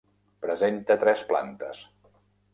Presenta tres plantes.